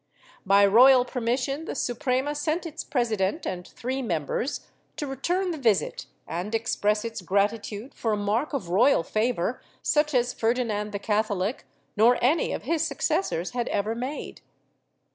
By royal permission the Suprema sent its president and three members to return the visit and express its gratitude for a mark of royal favor such as Ferdinand the Catho lic nor any of his successors had ever made.